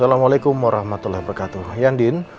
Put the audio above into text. assalamualaikum warahmatullah wabarakatuh yandin